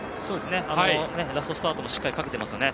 ラストスパートもしっかりかけていますよね。